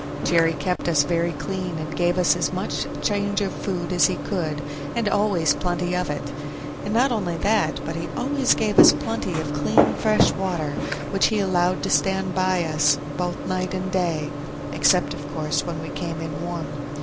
Jerry kept us very clean, and gave us as much change of food as he could, and always plenty of it; and not only that, but he always gave us plenty of clean fresh water, which he allowed to stand by us both night and day, except of course when we came in warm.